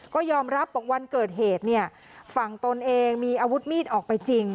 ก็ยอมรับบอกวันเกิดเหตุเนี่ยฝั่งตนเองมีอาวุธมีดออกไปจริง